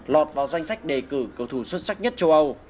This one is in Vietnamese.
lọt vào danh sách đề cử cầu thủ xuất sắc nhất châu âu